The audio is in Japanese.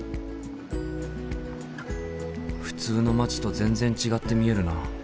普通の街と全然違って見えるな。